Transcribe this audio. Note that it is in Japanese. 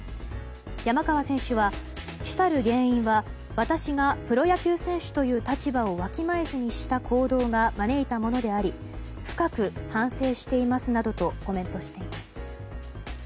山川選手は、主たる原因は私がプロ野球選手という立場をわきまえずにした行動が招いたものであり深く反省していますなどとコメントしています。